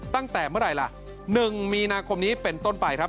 ตั้งแต่เมื่อไหร่ล่ะ๑มีนาคมนี้เป็นต้นไปครับ